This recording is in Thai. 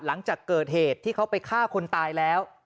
หลังจากเกิดเหตุที่เขาไปฆ่าคนตายแล้ว